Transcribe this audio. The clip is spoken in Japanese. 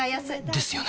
ですよね